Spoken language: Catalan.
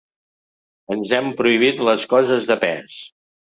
Ens hem prohibit les coses de pes.